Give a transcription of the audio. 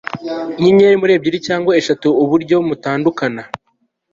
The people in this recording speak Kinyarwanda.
Inyenyeri muri ebyiri cyangwa eshatu uburyo mutandukana